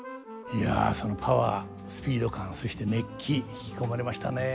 いやそのパワースピード感そして熱気引き込まれましたね。